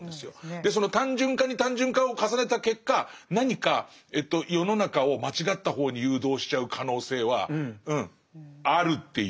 でその単純化に単純化を重ねた結果何かえっと世の中を間違った方に誘導しちゃう可能性はうんあるっていう。